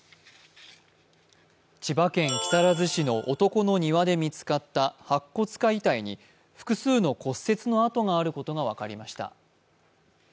千葉県木更津市の男の庭で見つかった白骨化遺体に複数の骨折のあとがあることが分かりました。